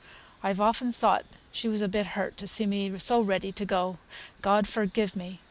I've often thought she was a bit hurt to see me so ready to go God forgive me!